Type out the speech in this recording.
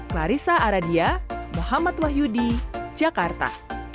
clarissa aradia muhammad wahyudi jakarta